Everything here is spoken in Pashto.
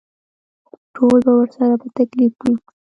ټول به ورسره په تکلیف وي.